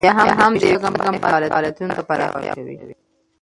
یا هم د يوې شته کمپنۍ فعالیتونو ته پراختیا ورکوي.